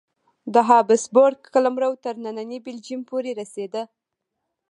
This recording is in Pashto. د هابسبورګ قلمرو تر ننني بلجیم پورې رسېده.